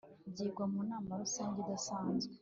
byigwa mu nama rusange idasanzwe